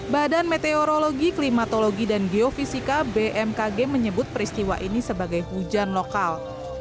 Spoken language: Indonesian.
badan meteorologi klimatologi dan geofisika bmkg menyebut peristiwa ini sebagai hujan lokal